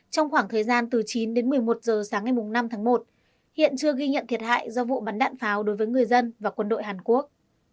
trong khoảng thời gian từ chín đến một mươi một giờ sáng ngày năm tháng một hiện chưa ghi nhận thiệt hại do vụ bắn đạn pháo đối với người dân và quân đội hàn quốc